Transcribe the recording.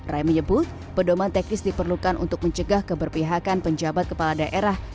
rai menyebut pedoman teknis diperlukan untuk mencegah keberpihakan penjabat kepala daerah